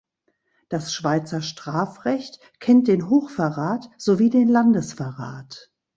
Das Schweizer Strafrecht kennt den Hochverrat sowie den Landesverrat.